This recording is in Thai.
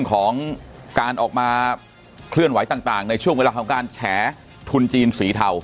ของการออกมาเคลื่อนไหวต่างในช่วงเวลาของการแฉทุนจีนสีเทา